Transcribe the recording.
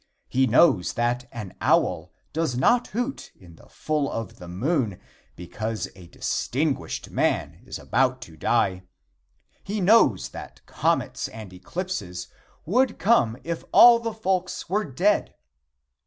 He knows that an owl does not hoot in the full of the moon because a distinguished man is about to die. He knows that comets and eclipses would come if all the folks were dead.